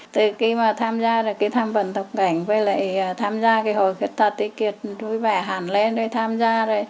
từ khi mà tham gia được cái tham vận tập cảnh với lại tham gia cái hội khuyết tật thì kiệt vui vẻ hẳn lên để tham gia